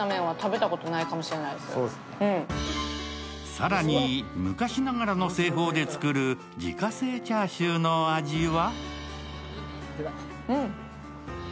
更に、昔ながらの製法で作る自家製チャーシューの味は？